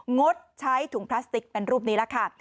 งดใช้ถุงพลาสติกเป็นรูปนี้แล้วค่ะ